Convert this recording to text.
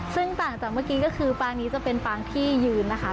ซึ่งต่างจากเมื่อกี้ก็คือปางนี้จะเป็นปางที่ยืนนะคะ